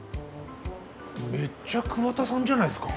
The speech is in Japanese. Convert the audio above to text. めっちゃ桑田さんじゃないですか。